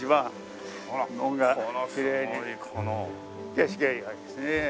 景色がいいわけですね。